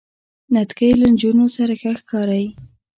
نتکۍ له نجونو سره ښه ښکاری.